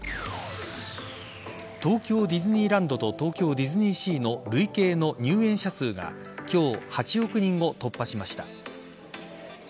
東京ディズニーランドと東京ディズニーシーの累計の入園者数が今日、８億人を突破しました。